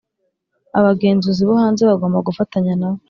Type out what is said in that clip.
abagenzuzi bo hanze bagomba gufatanya nabo